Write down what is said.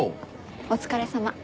お疲れさま。